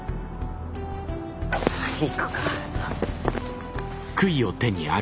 行くか。